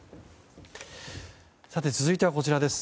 続いては、こちらです。